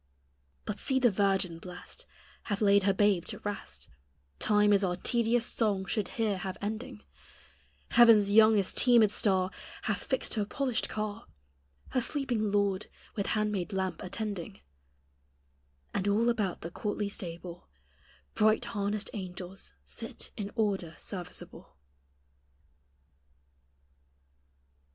But see the virgin blest Hath laid her babe to rest Time is our tedious song should here have ending; Heaven's youngest teemèd star Hath fixed her polished car, Her sleeping Lord with handmaid lamp attending; And all about the courtly stable Bright harnessed angels sit in order serviceable.